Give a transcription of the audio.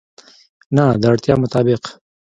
نه، د اړتیا مطابق